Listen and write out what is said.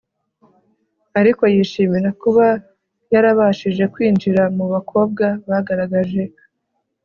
ariko yishimira kuba yarabashije kwinjira mu bakobwa bagaragaje